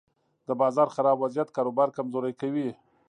د بازار خراب وضعیت کاروبار کمزوری کوي.